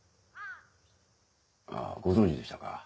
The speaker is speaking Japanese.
あぁご存じでしたか？